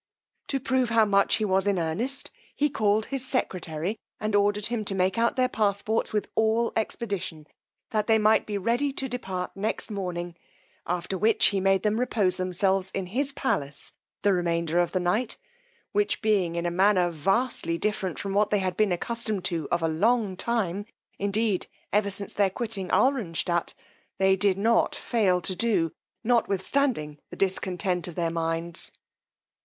To prove how much he was in earnest, he called his secretary, and ordered him to make out their passports with all expedition, that they might be ready to depart next morning; after which he made them repose themselves in his palace the remainder of the night; which being in a manner vastly different from what they had been accustomed to of a long time, indeed ever since their quitting Alranstadt, they did not fail to do, notwithstanding the discontent of their minds.